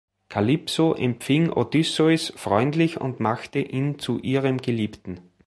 Kalypso empfing Odysseus freundlich und machte ihn zu ihrem Geliebten.